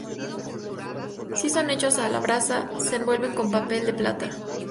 Si son hechos a la brasa, se envuelven con papel de plata.